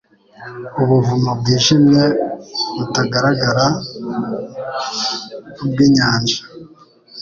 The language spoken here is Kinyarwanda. Ubuvumo bwijimye butagaragara bwinyanja: